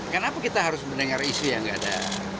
kenapa kita harus mendengar isu yang gak ada